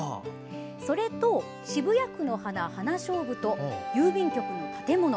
それと渋谷区の花ハナショウブと郵便局の建物